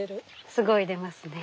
すごい出ますね。